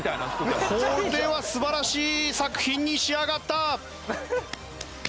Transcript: これは素晴らしい作品に仕上がった！